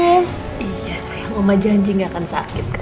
iya sayang oma janji gak akan sakit